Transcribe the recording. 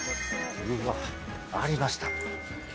うわありました。